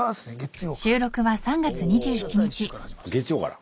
お月曜から？